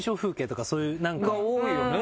多いよね